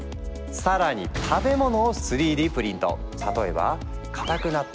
更に食べ物を３Ｄプリント！